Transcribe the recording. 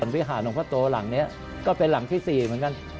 วิหารหลวงพ่อโตหลังนี้ก็เป็นหลังที่๔เหมือนกัน